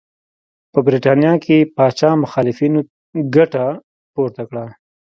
په برېټانیا کې پاچا مخالفینو ګټه پورته کړه.